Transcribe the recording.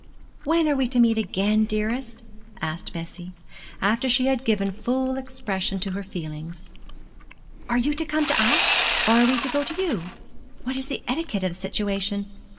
'When are we to meet again, dearest?' asked Bessie, after she had given full expression to her feelings; 'are you to come to us, or are we to go to you? What is the etiquette of the situation?